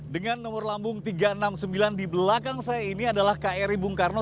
dengan nomor lambung tiga ratus enam puluh sembilan di belakang saya ini adalah kri bung karno